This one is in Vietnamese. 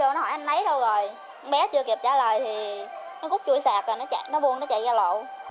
rồi nó vô nó hỏi anh ấy đâu rồi con bé chưa kịp trả lời thì nó cút chui sạc rồi nó buông nó chạy ra lộ